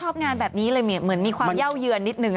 ชอบงานแบบนี้เลยมีความเย่าเยือนนิดนึง